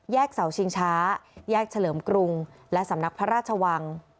เสาชิงช้าแยกเฉลิมกรุงและสำนักพระราชวัง